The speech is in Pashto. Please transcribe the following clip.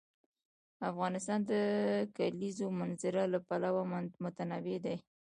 افغانستان د د کلیزو منظره له پلوه متنوع دی.